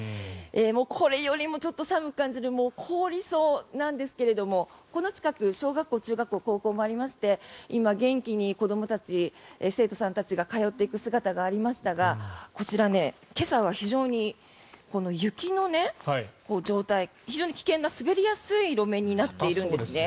これよりもちょっと寒く感じて凍りそうなんですがこの近く、小学校、中学校高校もありまして今、元気に子どもたち生徒さんたちが通っていく姿がありましたがこちら、今朝は非常に雪の状態が非常に危険な滑りやすい路面になっているんですね。